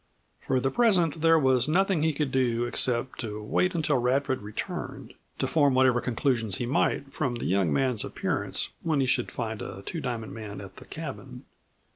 For the present there was nothing he could do, except to wait until Radford returned, to form whatever conclusions he might from the young man's appearance when he should find a Two Diamond man at the cabin.